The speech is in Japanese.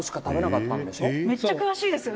「めっちゃ詳しいですね！